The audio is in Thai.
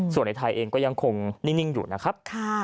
ส่วนในไทยเองก็ยังคงนิ่งอยู่นะครับ